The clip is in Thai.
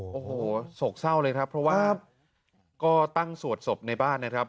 โอ้โหโศกเศร้าเลยครับเพราะว่าก็ตั้งสวดศพในบ้านนะครับ